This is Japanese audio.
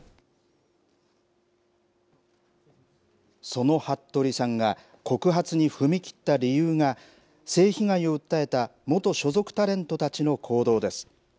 その服部さんが告発に踏み切った理由が、性被害を訴えた元所属タレントたちの行動です。